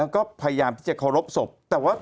ก็พยายามที่จะเคารพศพแต่ว่า